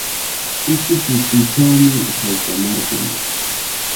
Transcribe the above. Utsuputuuchawmi haytamarqun.